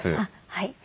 はい。